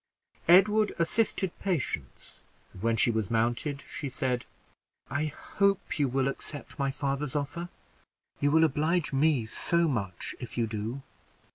Edward assisted Patience; and when she was mounted, she said "I hope you will accept my father's offer you will oblige me so much if you do."